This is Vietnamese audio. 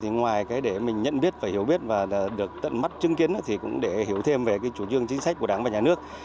ngoài để mình nhận biết và hiểu biết và được tận mắt chứng kiến thì cũng để hiểu thêm về chủ trương chính sách của đảng và nhà nước